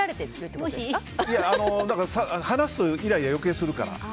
話すとイライラ、余計するから。